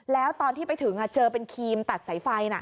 แล้วตอนที่ไปถึงเจอเป็นครีมตัดสายไฟ